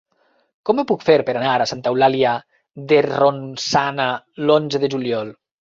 Com ho puc fer per anar a Santa Eulàlia de Ronçana l'onze de juliol?